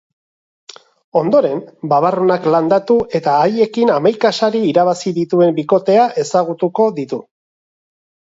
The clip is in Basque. Ondoren, babarrunak landatu eta haiekin hamaika sari irabazi dituen bikotea ezagutuko ditu.